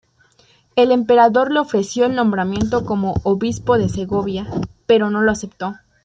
El emperador le ofreció el nombramiento como obispo de Segovia, pero no lo aceptó.